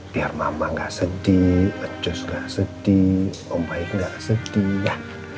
biar mama gak sedih acus gak sedih om baik gak sedih